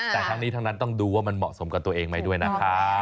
แต่ทั้งนี้ทั้งนั้นต้องดูว่ามันเหมาะสมกับตัวเองไหมด้วยนะคะ